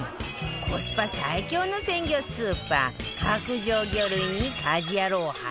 コスパ最強の鮮魚スーパー角上魚類に『家事ヤロウ！！！』初潜入